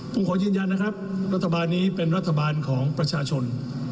ผมขอยืนยันนะครับรัฐบาลนี้เป็นรัฐบาลของประชาชน